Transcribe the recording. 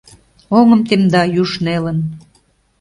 Оҥым темда юж нелын.